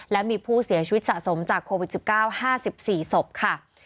และมีผู้เสียชีวิตสะสมจากโควิด๑๙๕๔ศพค่ะ